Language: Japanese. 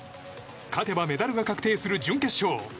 勝てばメダルが確定する準決勝。